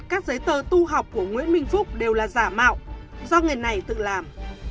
các giấy tờ tu học của nguyễn minh phúc đều là giả mạo do người này tự làm